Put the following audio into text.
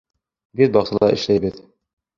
Беҙ баҡсала эшләйбеҙ